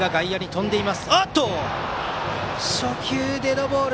初球、デッドボール。